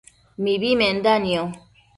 mibi menda nio